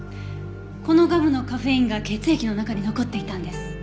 このガムのカフェインが血液の中に残っていたんです。